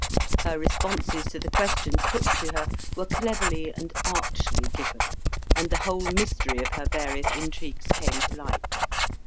Her responses to the questions put to her were cleverly and archly given, and the whole mystery of her various intrigues came to light.